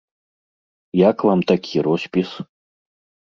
Як вам такі роспіс?